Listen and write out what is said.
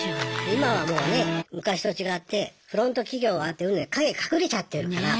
今はもうね昔と違ってフロント企業があってうんぬん陰隠れちゃってるから。